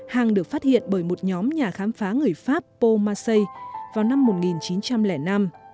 hang được phát hiện bởi một nhóm nhà khám phá người pháp paul marseille vào năm một nghìn chín trăm linh năm